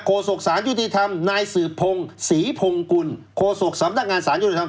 โศกสารยุติธรรมนายสืบพงศรีพงกุลโคศกสำนักงานสารยุติธรรม